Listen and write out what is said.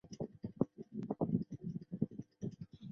剧中并没有提及柯博文的死亡或是赛博创星的毁灭。